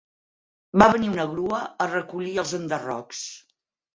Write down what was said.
Va venir una grua a recollir els enderrocs.